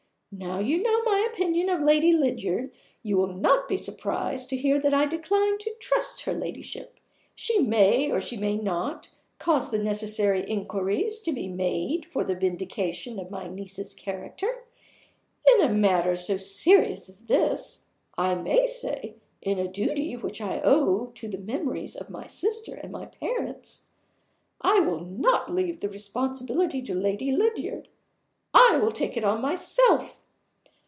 Now you know my opinion of Lady Lydiard, you will not be surprised to hear that I decline to trust her Ladyship. She may, or she may not, cause the necessary inquiries to be made for the vindication of my niece's character. In a matter so serious as this I may say, in a duty which I owe to the memories of my sister and my parents I will not leave the responsibility to Lady Lydiard. I will take it on myself.